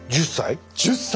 １０歳？